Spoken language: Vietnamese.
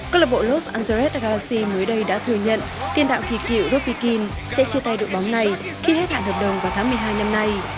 cơ lạc bộ los angeles galaxy mới đây đã thừa nhận tiền đạo kỳ cựu robby keane sẽ chia tay đội bóng này khi hết hạn hợp đồng vào tháng một mươi hai năm nay